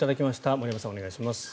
森山さん、お願いします。